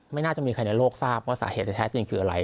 ไม่น่าจะมีใครในโลกทราบว่าสาเหตุที่แท้จริงคืออะไร